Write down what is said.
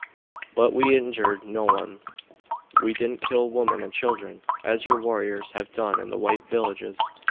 "But we injured no one. We didn't kill women and children, as your warriors have done in the white villages.